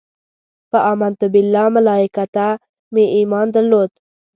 په امنت بالله ملایکته مې ایمان درلود.